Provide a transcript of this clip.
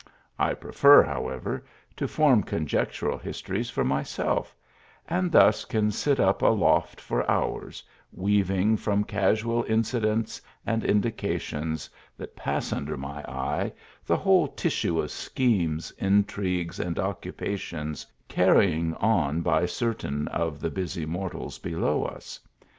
i prefer, howe.v^r, to form conjectural histories for myself; and thus can sit up aloft for hours, weaving from casual incidents and indications that pass under my eye, the whole tissue of schemes, intrigues and occupations, carrying on by certain of the busy mortals below us.